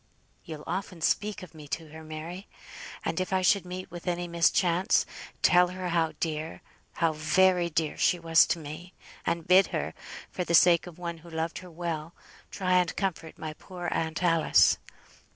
You'll often speak of me to her, Mary? And if I should meet with any mischance, tell her how dear, how very dear, she was to me, and bid her, for the sake of one who loved her well, try and comfort my poor aunt Alice.